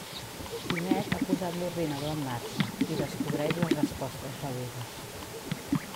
Quimet ha posat l'ordinador en marxa i descobreix les respostes rebudes.